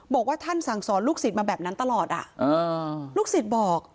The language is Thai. บอกว่าท่านสั่งสอนลูกศิษย์มาแบบนั้นตลอดลูกศิษย์บอก